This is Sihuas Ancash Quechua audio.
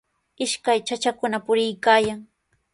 Ishkay chachakuna puriykaayan.